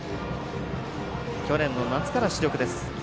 去年の夏から主力です。